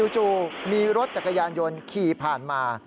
จู่มีรถจักรยานยนต์ขี่ผ่านมา